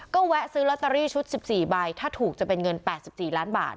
ก็แวะซื้อลอตเตอรี่ชุดสิบสี่ใบถ้าถูกจะเป็นเงินแปดสิบสี่ล้านบาท